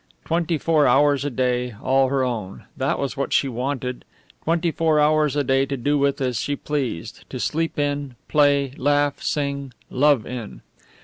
Twenty four hours a day, all her own; that was what she wanted; twenty four hours a day to do with as she pleased to sleep in, play, laugh, sing, love in.